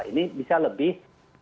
ini bisa lebih